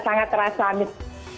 sangat terasa ambil